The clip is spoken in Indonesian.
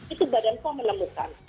itu badan pom menemukan